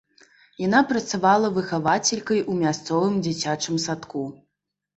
Яна працавала выхавацелькай у мясцовым дзіцячым садку.